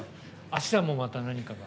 あしたも、また何かが。